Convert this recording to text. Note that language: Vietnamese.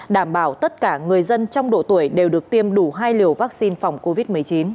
đảm bảo tất cả người dân trong độ tuổi đều được tiêm đủ hai liều vaccine phòng covid một mươi chín